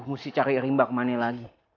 mesti cari rimba kemana lagi